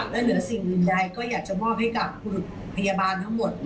และเหนือสิ่งอื่นใดก็อยากจะมอบให้กับคุณพยาบาลทั้งหมด